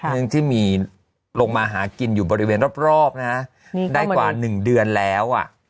ซึ่งที่มีลงมาหากินอยู่บริเวณรอบนะฮะได้กว่า๑เดือนแล้ว